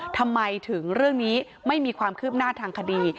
ทำไมถึงเรื่องนี้ไม่มีความคืบหน้าทางคดี